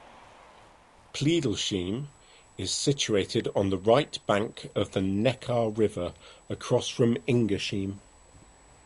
Pleidelsheim is situated on the right bank of the Neckar river across from Ingersheim.